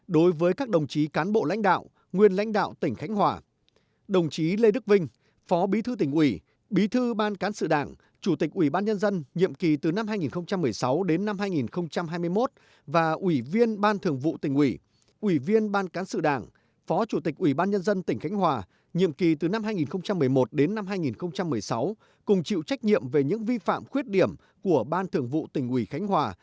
hai đối với các đồng chí cán bộ lãnh đạo nguyên lãnh đạo tỉnh khánh hòa đồng chí lê đức vinh phó bí thư tỉnh ủy bí thư ban cán sự đảng chủ tịch ủy ban nhân dân nhiệm kỳ từ năm hai nghìn một mươi sáu đến năm hai nghìn hai mươi một và ủy viên ban thường vụ tỉnh ủy ủy viên ban cán sự đảng phó chủ tịch ủy ban nhân dân tỉnh khánh hòa nhiệm kỳ từ năm hai nghìn một mươi một đến năm hai nghìn một mươi sáu cùng chịu trách nhiệm về những vi phạm khuyết điểm của ban thường vụ tỉnh ủy khánh hòa